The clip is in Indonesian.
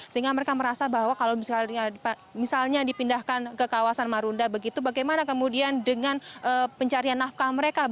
sehingga mereka merasa bahwa kalau misalnya dipindahkan ke kawasan marunda begitu bagaimana kemudian dengan pencarian nafkah mereka